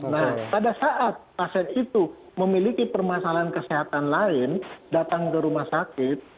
nah pada saat pasien itu memiliki permasalahan kesehatan lain datang ke rumah sakit